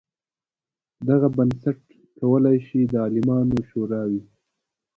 دغه بنسټ کولای شي د عالمانو شورا وي.